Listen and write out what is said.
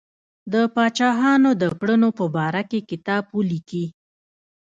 د پاچاهانو د کړنو په باره کې کتاب ولیکي.